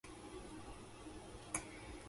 明日の昨日は今日です。